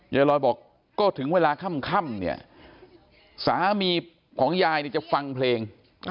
ยายลอยบอกก็ถึงเวลาค่ำเนี่ยสามีของยายเนี่ยจะฟังเพลง